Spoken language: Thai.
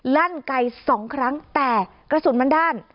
ลั่นไกลสองครั้งแต่กระสุนมันด้าน